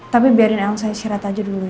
tapi biarin elsa isyarat aja dulu ya